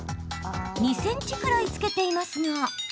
２ｃｍくらいつけていますが。